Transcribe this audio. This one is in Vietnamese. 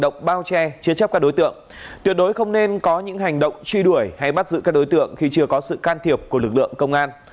tuyệt đối không nên có những hành động truy đuổi hay bắt giữ các đối tượng khi chưa có sự can thiệp của lực lượng công an